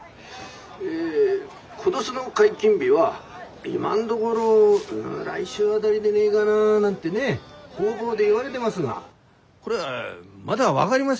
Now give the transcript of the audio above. え今年の解禁日は今んどごろ来週辺りでねえがななんてね方々で言われでますがこれはまだ分がりません。